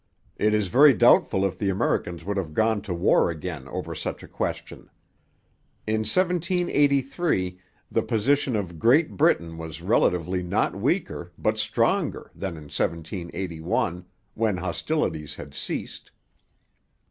It is very doubtful if the Americans would have gone to war again over such a question. In 1783 the position of Great Britain was relatively not weaker, but stronger, than in 1781, when hostilities had ceased.